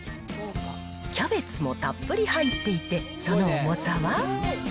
キャベツもたっぷり入っていて、その重さは。